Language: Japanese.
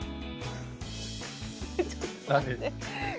ちょっと待って。